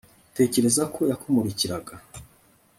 tekereza ko yakumurikiraga